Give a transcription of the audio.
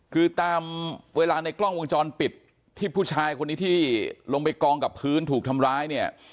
คือตามเวลาในกล้องวงจรปิดที่ผู้ชายคนนี้ที่ลงไปกองกับพื้นถูกทำร้ายเนี่ย